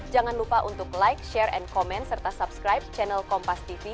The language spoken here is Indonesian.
jangan lupa untuk like share and comment serta subscribe channel kompas tv